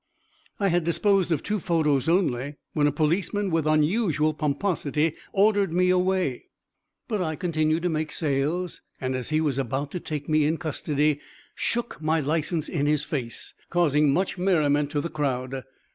I had disposed of two photos only, when a policeman with unusual pomposity ordered me away, but I continued to make sales and, as he was about to take me in custody, shook my license in his face, causing much merriment to the crowd.